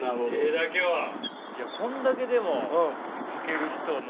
いやこんだけでも描ける人の悩み